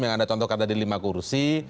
yang anda contohkan ada di lima kursi